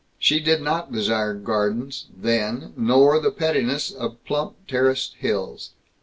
She did not desire gardens, then, nor the pettiness of plump terraced hills.